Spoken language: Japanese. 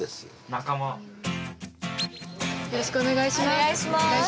よろしくお願いします。